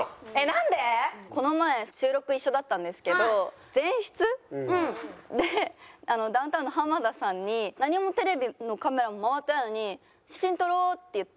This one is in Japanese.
この前収録一緒だったんですけど前室でダウンタウンの浜田さんに何もテレビのカメラも回ってないのに「写真撮ろう」って言うのが本当に引いて。